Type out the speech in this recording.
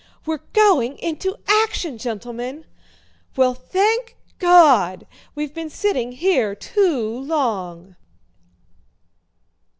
"We're going into action, gentlemen!" "Well, thank God! We've been sitting here too long!"